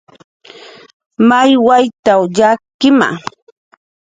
"May wayt""w yakkima "